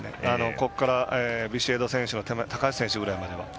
ここからビシエド選手から高橋選手ぐらいまでは。